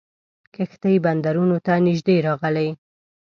کښتۍ بندرونو ته نیژدې راغلې.